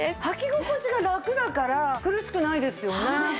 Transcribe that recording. はき心地がラクだから苦しくないですよね。